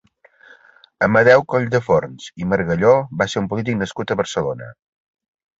Amadeu Colldeforns i Margalló va ser un polític nascut a Barcelona.